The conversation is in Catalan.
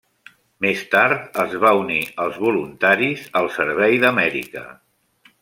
Més tard es va unir als Voluntaris al Servei d'Amèrica.